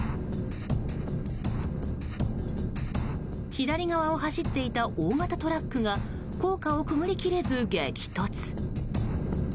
左側を走っていた大型トラックが高架をくぐり切れず激突。